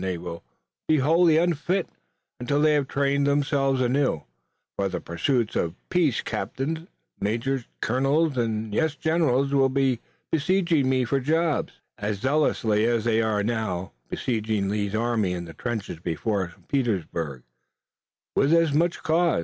They will be wholly unfit, until they have trained themselves anew, for the pursuits of peace. Captains, majors, colonels and, yes, generals, will be besieging me for jobs, as zealously as they're now besieging Lee's army in the trenches before Petersburg, and with as much cause.